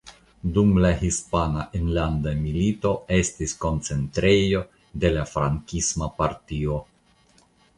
Dum la Hispana Enlanda Milito estis koncentrejo de la frankisma partio.